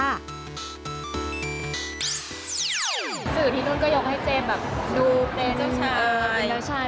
สื่อที่นู่นก็ยกให้เจมส์แบบดูเปรย์เจ้าชาย